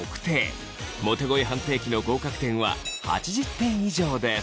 モテ声判定機の合格点は８０点以上です。